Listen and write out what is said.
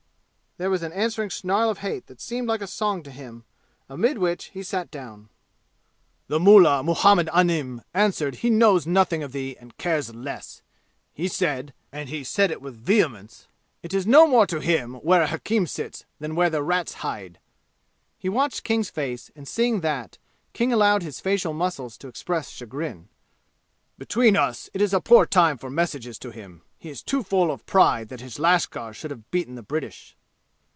There was an answering snarl of hate that seemed like a song to him, amid which he sat down. "The mullah Muhammad Anim answered he knows nothing of thee and cares less! He said and he said it with vehemence it is no more to him where a hakim sits than where the rats hide!" He watched King's face and seeing that, King allowed his facial muscles to express chagrin. "Between us, it is a poor time for messages to him. He is too full of pride that his lashkar should have beaten the British."